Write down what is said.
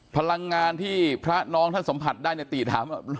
พลังงานที่พระน้องท่านสัมผัสได้เนี่ยติย้อนกลับมา